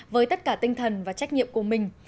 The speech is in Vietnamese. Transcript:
với tất cả tinh thần và trách nhiệm của mình